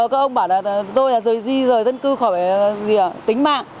các ông bảo là tôi là rời di rời dân cư khỏi tính mạng